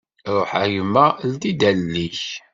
Ruḥ a gma ldi-d allen-ik.